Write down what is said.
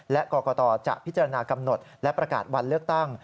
และกรกตจะพิจารณากำหนดและประกาศวันเลือกตั้ง